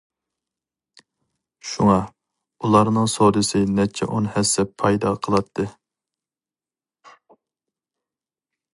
شۇڭا، ئۇلارنىڭ سودىسى نەچچە ئون ھەسسە پايدا قىلاتتى.